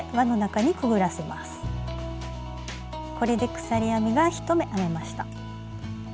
これで鎖編みが１目編めました。